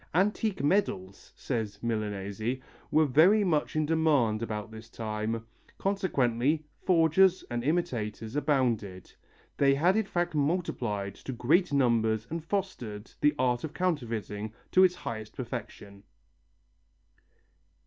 "Antique medals," says Milanesi, "were very much in demand about this time, consequently forgers and imitators abounded; they had in fact multiplied to great numbers and fostered the art of counterfeiting to its highest perfection."